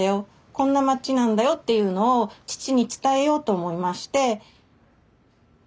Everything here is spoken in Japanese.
こんな街なんだよっていうのを父に伝えようと思いまして。